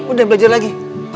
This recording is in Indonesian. udah belajar lagi